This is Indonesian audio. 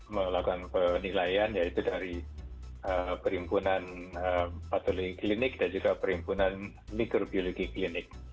melakukan penilaian yaitu dari perimpunan patologi klinik dan juga perimpunan mikrobiologi klinik